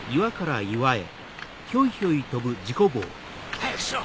早くしろ！